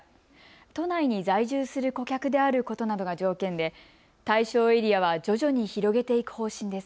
都内に在住する顧客であることなどが条件で対象エリアは徐々に広げていく方針です。